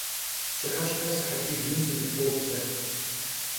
Pşıheşhe sıhetiblım sınıppoplhe.